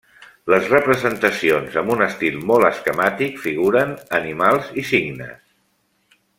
Les representacions, amb un estil molt esquemàtic, figuren animals i signes.